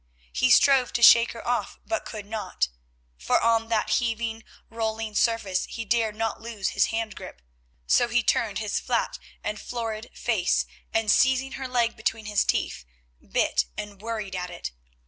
He strove to shake her off but could not, for on that heaving, rolling surface he dared not loose his hand grip, so he turned his flat and florid face, and, seizing her leg between his teeth, bit and worried at it.